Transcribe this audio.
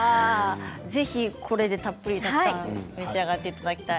ぜひこれでたっぷりたくさん召し上がっていただきたい。